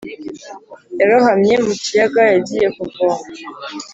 Yarohamye mu kiyaga yagiye kuvoma